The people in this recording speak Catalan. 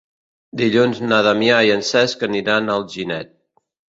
Dilluns na Damià i en Cesc aniran a Alginet.